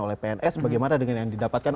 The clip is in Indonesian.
oleh pns bagaimana dengan yang didapatkan